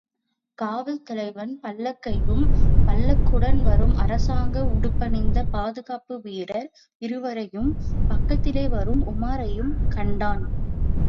காவல் தலைவன், பல்லக்கையும், பல்லக்குடன் வரும் அரசாங்க உடுப்பணிந்த பாதுகாப்பு வீரர் இருவரையும், பக்கத்திலே வரும் உமாரையும் கண்டான்.